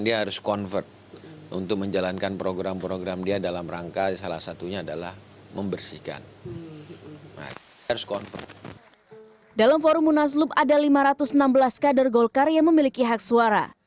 dalam forum munaslup ada lima ratus enam belas kader golkar yang memiliki hak suara